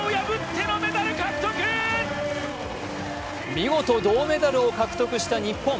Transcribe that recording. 見事、銅メダルを獲得した日本。